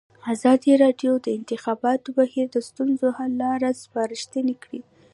ازادي راډیو د د انتخاباتو بهیر د ستونزو حل لارې سپارښتنې کړي.